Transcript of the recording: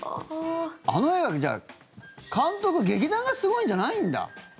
あの映画じゃあ監督、劇団がすごいんじゃないんだ？